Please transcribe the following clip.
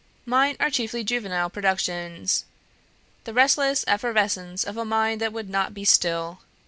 Mine are chiefly juvenile productions; the restless effervescence of a mind that would not be still.